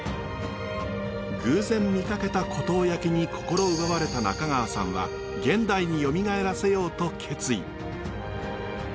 偶然見かけた湖東焼に心奪われた中川さんは現代によみがえらせようと決意。